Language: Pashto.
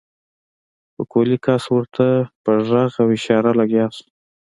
پکولي کس ورته په غږ او اشارو لګيا شو.